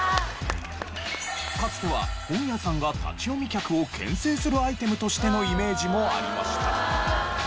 かつては本屋さんが立ち読み客を牽制するアイテムとしてのイメージもありました。